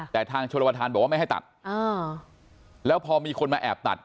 แต่ทางชนประธานบอกว่าไม่ให้ตัดแล้วพอมีคนมาแอบตัด